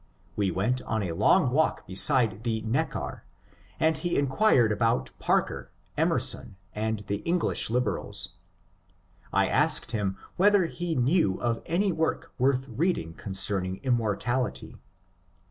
We went on a long walk beside the Neckar, and ha inquired about Parker, Emerson, and the Eng lish liberals. I asked him whether he knew of any work worth reading concerning immortality.